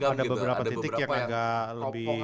ada beberapa titik yang agak lebih